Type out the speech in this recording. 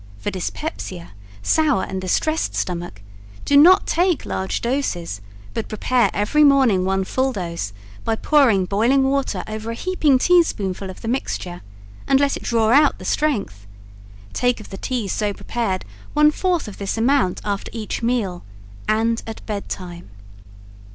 For Dyspepsia, sour and distressed stomach, do not take large doses but prepare every morning one full dose by pouring boiling water over a heaping teaspoonful of the Mixture and let it draw out the strength take of the Tea so prepared one fourth of this amount after each meal and at bed time.